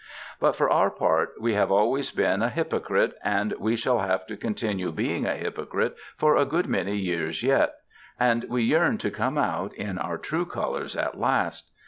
But for our part we have always been a hypocrite and we shall have to continue being a hypocrite for a good many years yet, and we yearn to come out in our true colors at last.